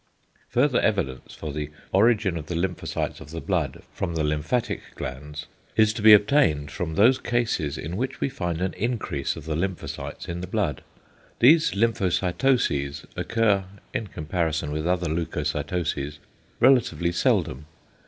Further evidence for the origin of the lymphocytes of the blood from the lymphatic glands is to be obtained from those cases in which we find an increase of the lymphocytes in the blood. These "lymphocytoses" occur, in comparison with other leucocytoses, relatively seldom.